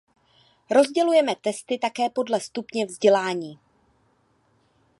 Rozdělujeme testy také podle stupně vzdělání.